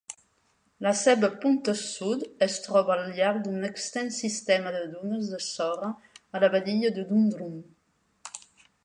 La seva punta sud es troba al llarg d'un extens sistema de dunes de sorra a la badia de Dundrum.